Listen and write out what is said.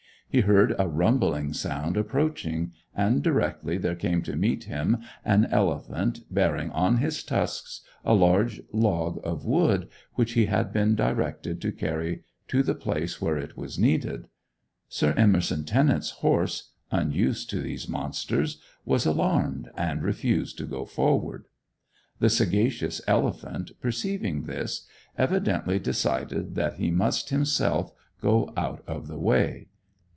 He heard a rumbling sound approaching, and directly there came to meet him an elephant, bearing on his tusks a large log of wood, which he had been directed to carry to the place where it was needed. Sir Emerson Tennent's horse, unused to these monsters, was alarmed, and refused to go forward. The sagacious elephant, perceiving this, evidently decided that he must himself go out of the way.